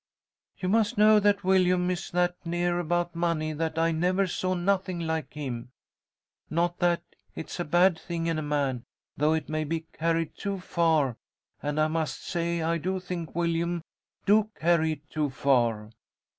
"You must know that Willyum is that near about money that I never saw nothing like him; not that it's a bad thing in a man, though it may be carried too far and I must say I do think Willyum do carry it too far.